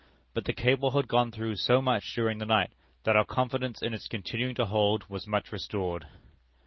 But the cable had gone through so much during the night, that our confidence in its continuing to hold was much restored.